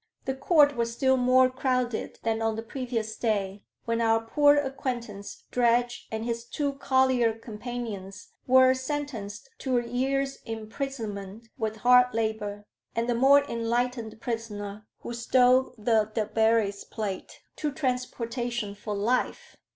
The Court was still more crowded than on the previous day, when our poor acquaintance Dredge and his two collier companions were sentenced to a year's imprisonment with hard labor, and the more enlightened prisoner, who stole the Debarry's plate, to transportation for life.